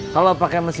kalau pake mesin cuci